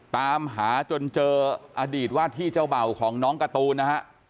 ตามหาจนเจออดีตว่าที่เจ้าเบ่าของน้องการ์ตูนนะฮะ